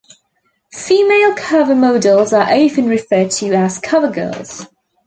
Female cover models are often referred to as cover girls.